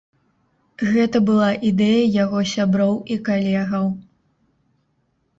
Гэта была ідэя яго сяброў і калегаў.